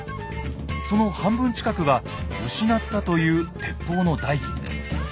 その半分近くは失ったという鉄砲の代金です。